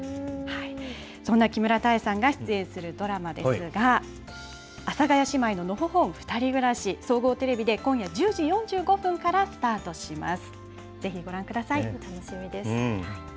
そんな木村多江さんが出演するドラマですが、阿佐ヶ谷姉妹ののほほんふたり暮らし、総合テレビで今夜１０時４５分からスタートします。